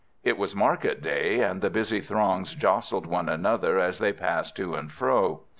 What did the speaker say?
It was market day, and the busy throngs jostled one another as they passed to and fro.